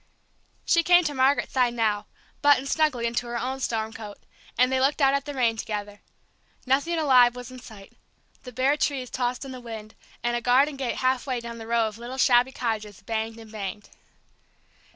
She came to Margaret's side now, buttoned snugly into her own storm coat, and they looked out at the rain together. Nothing alive was in sight. The bare trees tossed in the wind, and a garden gate halfway down the row of little shabby cottages banged and banged.